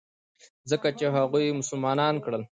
ځکه چې هغوى يې مسلمانان کړل.